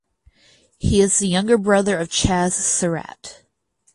He is the younger brother of Chazz Surratt.